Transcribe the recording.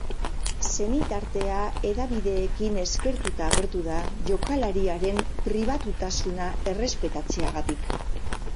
Senitartea hedabideekin eskertuta agertu da jokalariaren pribatutasuna errespetatzeagatik.